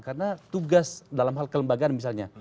karena tugas dalam hal kelembagaan misalnya